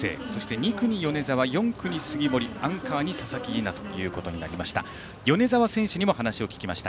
２区に米澤４区に杉森、アンカーに佐々木梨七となりました。